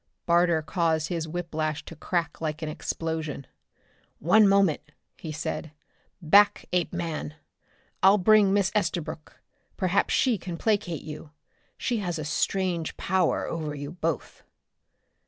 Barter caused his whiplash to crack like an explosion. "One moment," he said. "Back, Apeman! I'll bring Miss Estabrook. Perhaps she can placate you. She has a strange power over you both!"